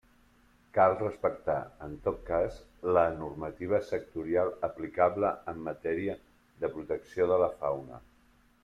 Cal respectar, en tot cas, la normativa sectorial aplicable en matèria de protecció de la fauna.